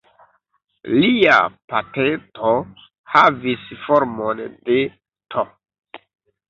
Lia patento havis formon de "T".